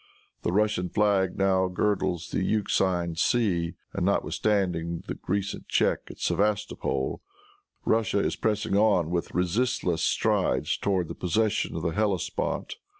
The Russian flag now girdles the Euxine Sea, and notwithstanding the recent check at Sevastopol, Russia is pressing on with resistless strides towards the possession of the Hellespont.